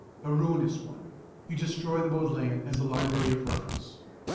A ruinous one; you destroy the Bodleian as a library of reference.